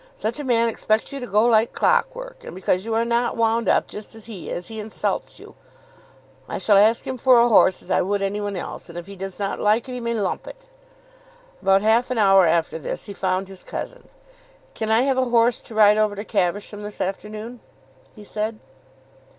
Such a man expects you to go like clockwork, and because you are not wound up just as he is, he insults you. I shall ask him for a horse as I would any one else, and if he does not like it, he may lump it." About half an hour after this he found his cousin. "Can I have a horse to ride over to Caversham this afternoon?" he said.